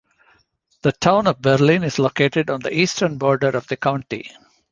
The Town of Berlin is located on the eastern border of the county.